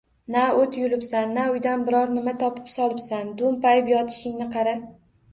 Na oʼt yulibsan, na uydan biron nima topib solibsan! Doʼmpayib yotishingni qara!